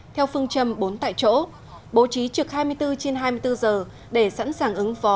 theo phương châm bốn tại chỗ bố trí trực hai mươi bốn trên hai mươi bốn giờ để sẵn sàng ứng phó